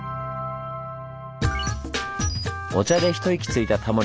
お茶で一息ついたタモリさん。